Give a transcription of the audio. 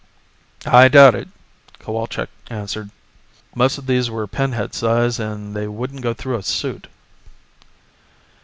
"I doubt it," Cowalczk answered, "most of these were pinhead size, and they wouldn't go through a suit."